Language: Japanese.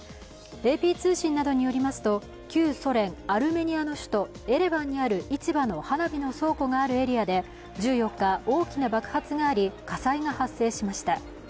ＡＰ通信などによりますと旧ソ連アルメニアの首都エレバンにある市場の花火の倉庫があるエリアで１４日、大きな爆発があり、火災が発生しました。